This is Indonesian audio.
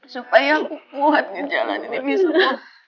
supaya aku kuat ngejalanin ini semua